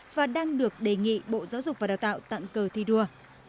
và đang được đề nghị bộ giáo dục và đào tạo tặng cờ thi đua